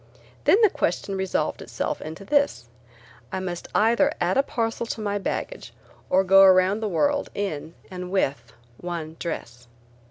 Then the question resolved itself into this: I must either add a parcel to my baggage or go around the world in and with one dress.